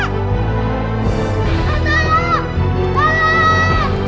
kalau enggak aku bakar nih